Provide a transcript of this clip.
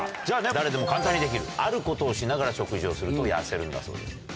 じゃあね誰でも簡単にできるあることをしながら食事をすると痩せるんだそうです